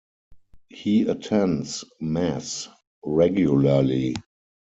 He attends Mass regularly.